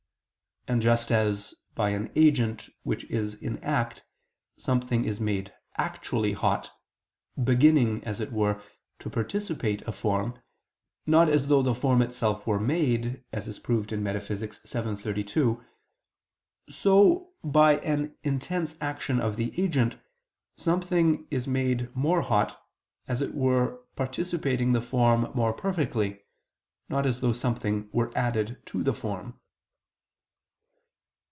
And just as, by an agent which is in act, something is made actually hot, beginning, as it were, to participate a form, not as though the form itself were made, as is proved in Metaph. vii, text. 32, so, by an intense action of the agent, something is made more hot, as it were participating the form more perfectly, not as though something were added to the form.